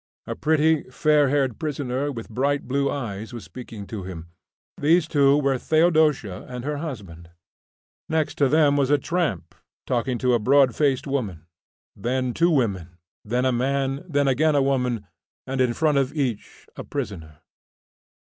A pretty, fair haired prisoner, with bright blue eyes, was speaking to him. These two were Theodosia and her husband. Next to them was a tramp, talking to a broad faced woman; then two women, then a man, then again a woman, and in front of each a prisoner.